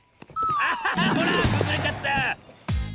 あほらくずれちゃった！